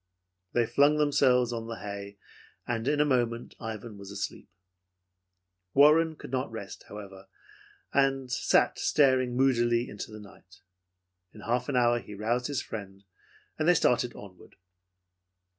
They flung themselves on the hay, and in a moment Ivan was asleep. Warren could not rest, however, and sat staring moodily into the night. In half an hour he roused his friend, and they started onward.